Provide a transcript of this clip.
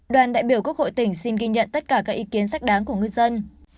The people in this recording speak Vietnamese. đoàn đại biểu quốc hội tỉnh xin ghi nhận tất cả các ý kiến sách đáng của ngư dân